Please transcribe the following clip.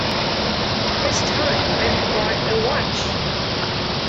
It's time I bought a watch.